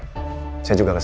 kita ketemu di sana ya